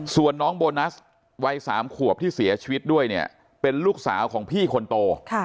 ส่วนน้องโบนัสวัย๓ขวบที่เสียชีวิตด้วยเนี่ยเป็นลูกสาวของพี่คนโต